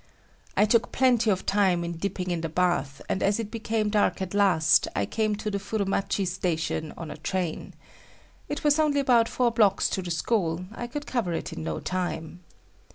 I took plenty of time in dipping in the bath and as it became dark at last, I came to the Furumachi Station on a train. It was only about four blocks to the school; I could cover it in no time.